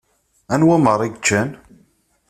Anwa meṛṛa i yeččan?